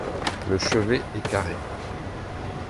Le chevet est carré.